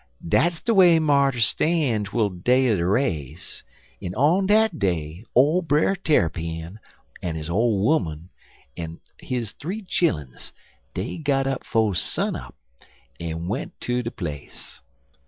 "Dat's de way marters stan' twel de day er de race, en on dat day, ole Brer Tarrypin, en his ole 'oman, en his th'ee chilluns, dey got up 'fo' sun up, en went ter de place.